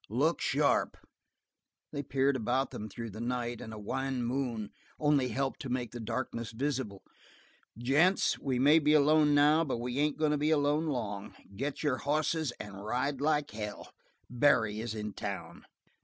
"Look sharp." They peered about them through the night, and a wan moon only helped to make the darkness visible. "Gents, we may be alone now, but we ain't goin' to be alone long. Get your hosses and ride like hell. Barry is in town!"